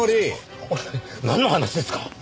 なんの話ですか？